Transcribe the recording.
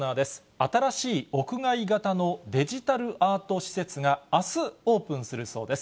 新しい屋外型のデジタルアート施設があすオープンするそうです。